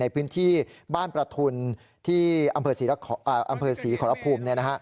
ในพื้นที่บ้านประทุนที่อำเภอศรีขอรภูมิ